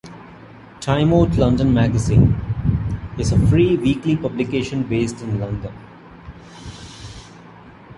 "Time Out London Magazine" is a free weekly publication based in London.